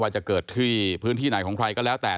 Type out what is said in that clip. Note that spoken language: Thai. จะเกิดที่พื้นที่ไหนของใครก็แล้วแต่